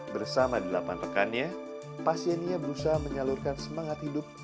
bersama delapan rekannya pasiennya berusaha menyalurkan semangat hidup